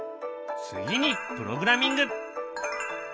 次にプログラミング。